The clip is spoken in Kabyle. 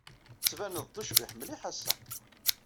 Tettbaned-d ucbiḥ mliḥ ass-a.